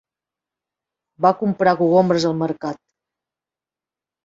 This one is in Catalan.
Va comprar cogombres al mercat.